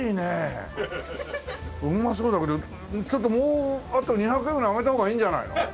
うまそうだけどちょっともうあと２００円ぐらい上げた方がいいんじゃないの？